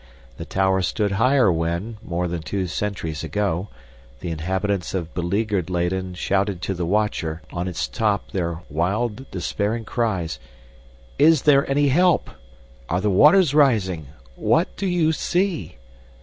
The tower stood higher when, more than two centuries ago, the inhabitants of beleaguered Leyden shouted to the watcher on its top their wild, despairing cries, "Is there any help? Are the waters rising? What do you see?"